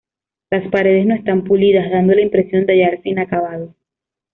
Las paredes no están pulidas, dando la impresión de hallarse inacabado.